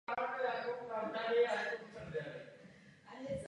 V průběhu let docházelo ke změnám úloh orgánů.